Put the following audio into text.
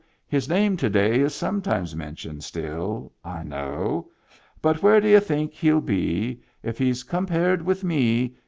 His name to day is sometimes mentioned still, I know. But where d'you think he'll be If he's compared with me.